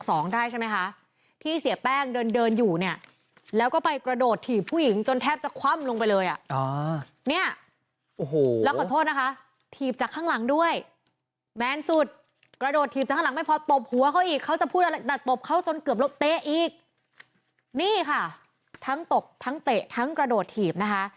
โอ้โหแล้วก็ขอโทษนะคะถีบจากข้างหลังด้วยแม้นสุดกระโดดถีบจากข้างหลังไม่พอตบหัวเขาอีกเขาจะพูดอะไรแต่ตบเขาจนเกือบรบเต๊ะอีกนี่ค่ะทั้งตบทั้งเตะทั้งกระโดดถีบนะคะ